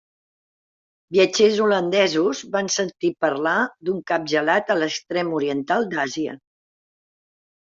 Viatgers holandesos van sentir parlar d'un cap gelat a l'extrem oriental d'Àsia.